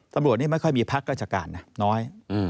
ตำรวจนี่ไม่ค่อยมีพักราชการนะน้อย